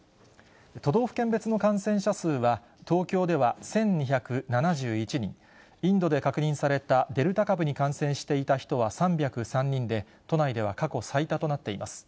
都道府県別の感染者数は、東京では１２７１人、インドで確認されたデルタ株に感染していた人は３０３人で、都内では過去最多となっています。